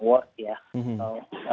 mendapatkan award ya